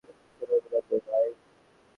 কিসের অভিনন্দন, ভাই?